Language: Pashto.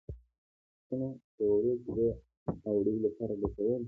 پسونه د وړو شیدو او وړیو لپاره ګټور دي.